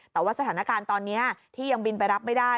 แต่ว่าสถานการณ์ตอนนี้ที่ยังบินไปรับไม่ได้